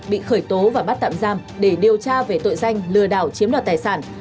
bị khởi tố và bắt tạm giam để điều tra về tội danh lừa đảo chiếm đoạt tài sản